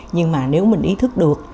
nhưng mà nếu mình ý thức được